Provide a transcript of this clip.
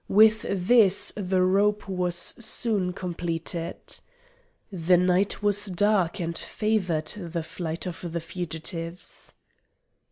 With this the rope was soon completed. The night was dark and favoured the flight of the fugitives.